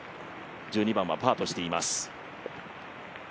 １２番はパーとしています。